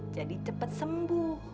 jadi cepet sembuh